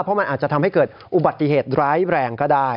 เพราะมันอาจจะทำให้เกิดอุบัติเหตุร้ายแรงก็ได้